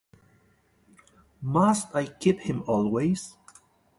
Must I keep him always?